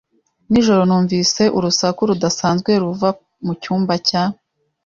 Nijoro numvise urusaku rudasanzwe ruva mucyumba cya .